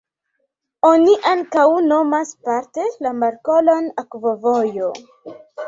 Oni ankaŭ nomas parte la markolon akvovojo.